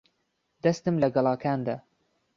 دەستم لە گەڵاکان دا.